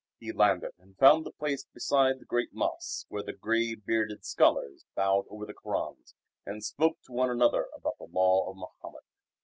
He landed and found the place beside the great mosque where the grey bearded scholars bowed over their Korans and spoke to one another about the law of Mohammed.